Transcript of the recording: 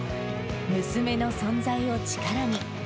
娘の存在を力に。